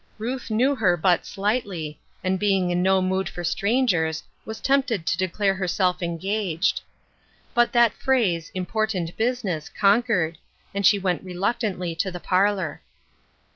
Ruth knew her but slightly, and being in no mood for strangers, was tempted to declare herself engaged. But that phrase " im portant business," conquered, and she went reluc tantly to the parlor.